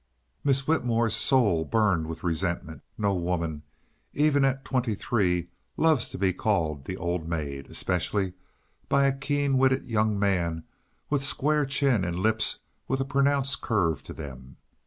Miss Whitmore's soul burned with resentment. No woman, even at twenty three, loves to be called "the old maid" especially by a keen witted young man with square chin and lips with a pronounced curve to them.